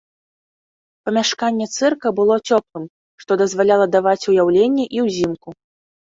Памяшканне цырка было цёплым, што дазваляла даваць уяўленні і ўзімку.